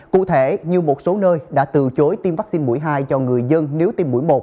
cụ thể như một số nơi đã từ chối tiêm vaccine mũi hai cho người dân nếu tiêm mũi một